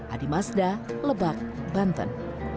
adi masda lebak banten